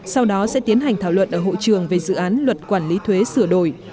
sau đó sẽ tiến hành thảo luận ở hội trường về dự án luật quản lý thuế sửa đổi